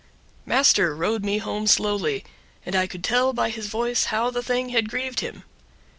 Master rode me home slowly, and I could tell by his voice how the thing had grieved him.